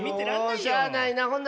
しゃあないな。